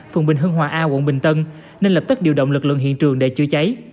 phường bình hưng hòa a quận bình tân nên lập tức điều động lực lượng hiện trường để chữa cháy